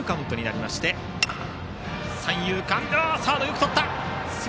サード、よくとった！